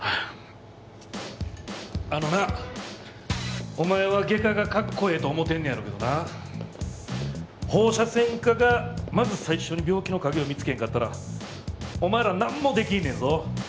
あのなお前は外科がかっこええと思ってんねやろうけどな放射線科がまず最初に病気の影を見つけへんかったらお前らなんもできへんのやぞ。